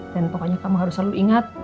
pokoknya kamu harus selalu ingat